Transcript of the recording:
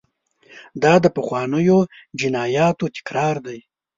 دا د پخوانیو جنایاتو تکرار دی.